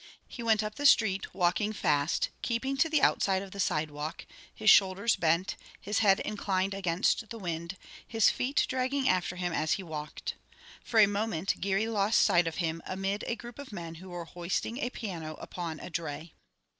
He went up the street, walking fast, keeping to the outside of the sidewalk, his shoulders bent, his head inclined against the wind, his feet dragging after him as he walked. For a moment Geary lost sight of him amid a group of men who were hoisting a piano upon a dray.